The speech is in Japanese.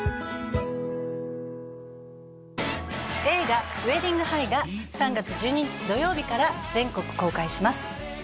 映画「ウェディング・ハイ」が３月１２日土曜日から全国公開します